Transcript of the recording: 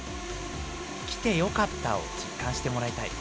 来てよかったを実感してもらいたい。